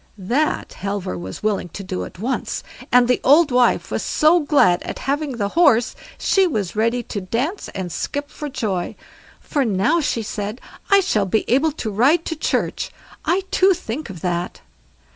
That Halvor was willing to do at once; and the old wife was so glad at having the horse, she was ready to dance and skip for joy. "For now", she said, "I shall be able to ride to church. I too, think of that."